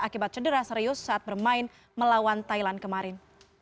akibat cedera serius saat bermain melawan thailand kemarin